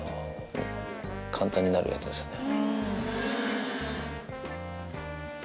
簡単になるやつですね。